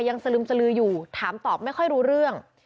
สลึมสลืออยู่ถามตอบไม่ค่อยรู้เรื่อง